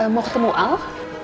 mau ketemu al